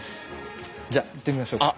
じゃあ行ってみましょうか。